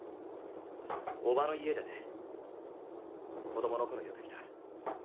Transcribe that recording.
おばの家でね子どもの頃よく来た